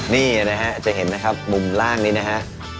นี่นะฮะจะเห็นนะครับมุมล่างนี้นะฮะ